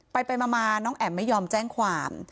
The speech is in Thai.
ไปมาน้องแอ๋มไม่ยอมแจ้งความ